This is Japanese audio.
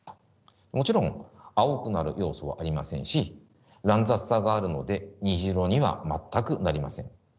もちろん青くなる要素はありませんし乱雑さがあるので虹色には全くなりません。